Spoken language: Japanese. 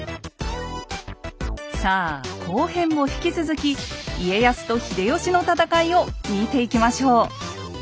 さあ後編も引き続き家康と秀吉の戦いを見ていきましょう！